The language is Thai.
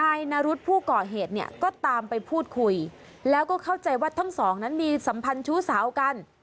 นายนรุษก็ตามไปพูดคุยแล้วก็เข้าใจว่าทั้งสองนั้นมีสัมพันธ์ชู้สาวกัน